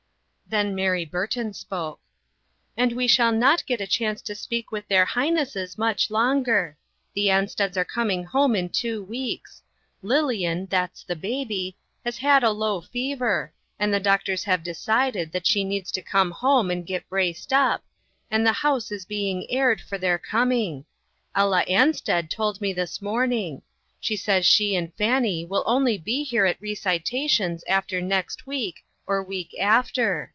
Then Mary Burton spoke : "And we shall not get a chance to speak with their highnesses much longer. The An steds are coming home in two weeks. Lilian, that's the baby, has had a low fever, and the doctors have decided that she needs to come home and get braced up, and the house is being aired for their coming. Ella Ansted told me this morning. She says she and Fannie will only be here at recitations after next week or week after.